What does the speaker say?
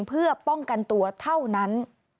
เพื่อป้องกันตัวเท่านั้น